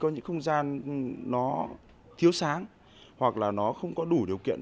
có những không gian nó thiếu sáng hoặc là nó không có đủ điều kiện